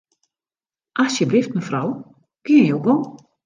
Asjebleaft mefrou, gean jo gong.